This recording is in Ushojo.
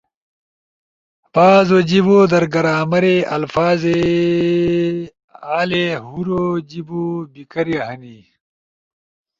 بعضو جیبو در گرامرے، الفاظے آںی ہورو جیِبو بی کھری ہنی۔